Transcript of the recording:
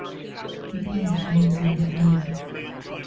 She paused at the mention of that name.